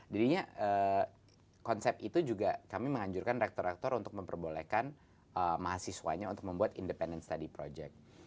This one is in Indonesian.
jadinya konsep itu juga kami menganjurkan rektor rektor untuk memperbolehkan mahasiswanya untuk membuat independent study project